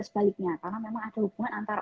sebaliknya karena memang ada hubungan antara